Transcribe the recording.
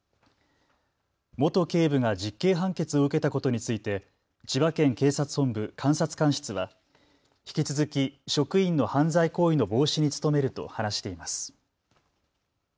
元警部が実刑判決を受けたことについて千葉県警察本部監察官室は引き続き職員の犯罪行為の防止に努めると話しています。